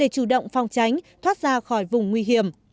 chủ động phòng tránh thoát ra khỏi vùng nguy hiểm